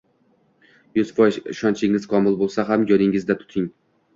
yuz foiz ishonchingiz komil bo‘lsa ham, yodingizda tuting: